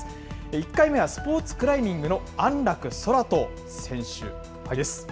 １回目はスポーツクライミングの安楽宙斗選手です。